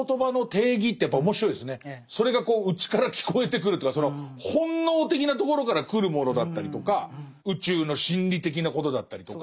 それが内から聞こえてくるというかその本能的なところから来るものだったりとか宇宙の真理的なことだったりとか。